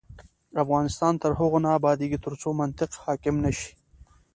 افغانستان تر هغو نه ابادیږي، ترڅو منطق حاکم نشي.